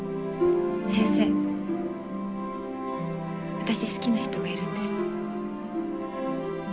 私好きな人がいるんです。